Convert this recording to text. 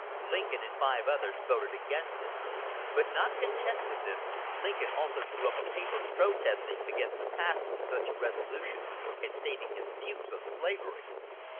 Lincoln and five others voted against it; but, not content with this, Lincoln also drew up a paper protesting against the passage of such a resolution and stating his views on slavery.